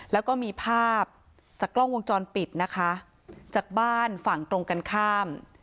แล้วก็มีภาพจากกล้องวงจรปิดนะคะจากบ้านฝั่งตรงกันข้าม